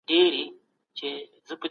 بهرنیو پورونو ته اړتیا کمه وه.